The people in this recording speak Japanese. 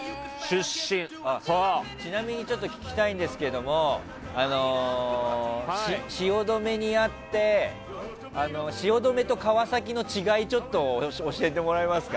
ちなみにちょっと聞きたいんですけど汐留と川崎の違いをちょっと教えてもらえますか？